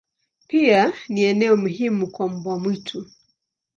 Pia ni eneo muhimu kwa mbwa mwitu.